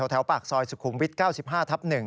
แถวปากซอยสุขุมวิท๙๕ทับ๑